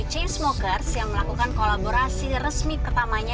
change smokers yang melakukan kolaborasi resmi pertamanya